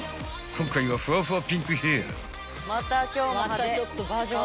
今回はふわふわピンクヘア］